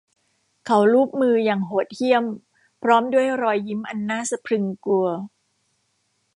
เขาลูบมืออย่างโหดเหี้ยมพร้อมด้วยรอยยิ้มอันน่าสะพรึงกลัว